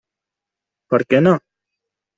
Per què no?